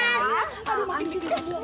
ya aduh mati cek cek cek